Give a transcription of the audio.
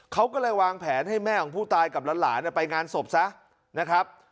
เขาก็เลยวางแผนให้แม่ของผู้ตายกับหลานไปงานศพซะนะครับ